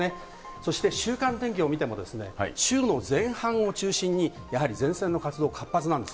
そして週間天気を見ても、週の前半を中心に、やはり前線の活動、活発なんです。